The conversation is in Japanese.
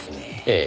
ええ。